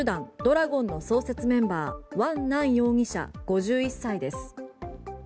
羅権の創設メンバーワン・ナン容疑者、５１歳です。